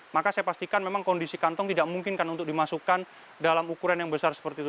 maka saya pastikan memang kondisi kantong tidak memungkinkan untuk dimasukkan dalam ukuran yang besar seperti itu